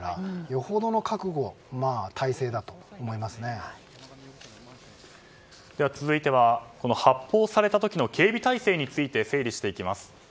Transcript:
よほどの覚悟では続いては、発砲された時の警備態勢について整理していきます。